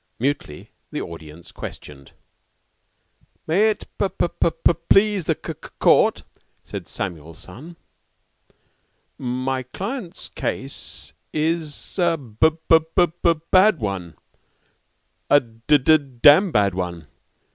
Mutely the audience questioned. "May it p p please the c court," said Samuel son, "my client's case is a b b b bad one a d d amn bad one.